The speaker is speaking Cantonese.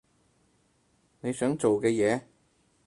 你想做嘅嘢？